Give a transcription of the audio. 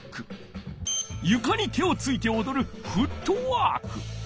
ゆかに手をついておどるフットワーク。